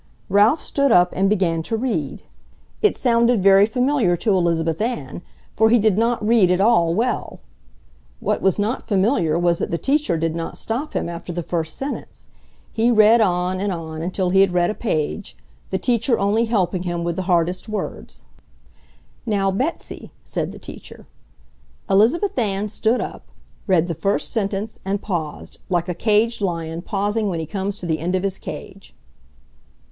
Ralph stood up and began to read. It sounded very familiar to Elizabeth Ann, for he did not read at all well. What was not familiar was that the teacher did not stop him after the first sentence. He read on and on till he had read a page, the teacher only helping him with the hardest words. "Now Betsy," said the teacher. Elizabeth Ann stood up, read the first sentence, and paused, like a caged lion pausing when he comes to the end of his cage.